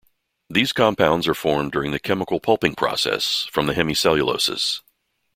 These compounds are formed during the chemical pulping process, from the hemicelluloses.